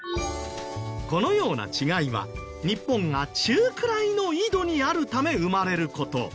このような違いは日本が中くらいの緯度にあるため生まれる事。